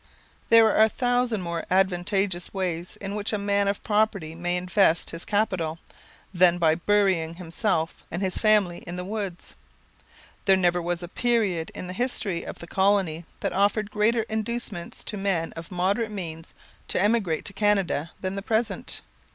There are a thousand more advantageous ways in which a man of property may invest his capital, than by burying himself and his family in the woods. There never was a period in the history of the colony that offered greater inducements to men of moderate means to emigrate to Canada than the present.